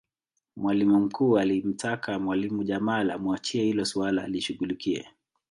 mwalimu mkuu alimtaka mwalimu jamal amuachie hilo suala alishughulikie